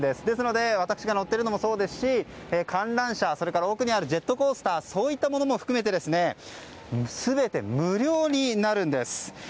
ですので私が乗っているのもそうですし観覧車、それから奥にあるジェットコースターそういったものも含めて全て無料になるんです。